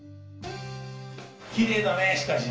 きれいだねしかしね。